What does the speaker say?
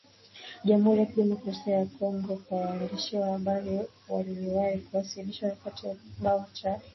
jamhuri ya kidemokrasia ya Kongo kwa waandishi wa habari waliwahi kuwasilishwa wakati wa kikao cha